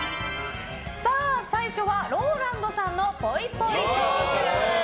最初はＲＯＬＡＮＤさんのぽいぽいトーク。